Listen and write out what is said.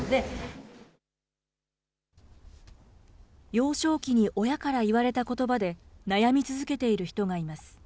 幼少期に親から言われたことばで悩み続けている人がいます。